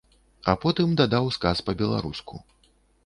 А потым дадаў сказ па-беларуску.